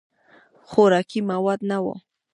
خوراکي مواد نه وو.